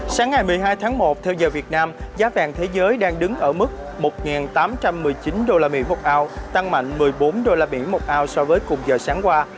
sáng ngày một mươi hai tháng một theo giờ việt nam giá vàng thế giới đang đứng ở mức một tám trăm một mươi chín usd một oun tăng mạnh một mươi bốn usd một ao so với cùng giờ sáng qua